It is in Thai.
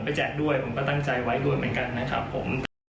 แจกด้วยผมก็ตั้งใจไว้ด้วยเหมือนกันนะครับผม